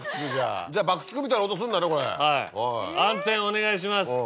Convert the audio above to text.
暗転お願いします。